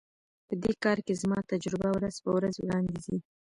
په دې کار کې زما تجربه ورځ په ورځ وړاندي ځي.